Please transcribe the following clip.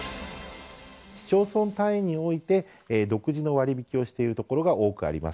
市町村単位において独自の割引をしている所が多くあります。